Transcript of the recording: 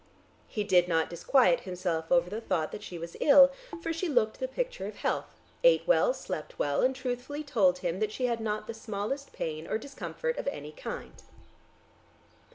He did not disquiet himself over the thought that she was ill, for she looked the picture of health, ate well, slept well, and truthfully told him that she had not the smallest pain or discomfort of any kind.